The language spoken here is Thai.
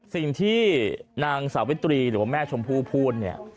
สิ่งที่นางสาวิตรีหรือว่าแม่ชมพู่พูดเนี่ย